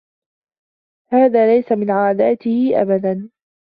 هذا ليس من عاداته أبدا.